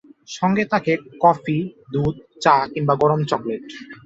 সংগে থাকে কফি, দুধ, চা কিংবা গরম চকলেট।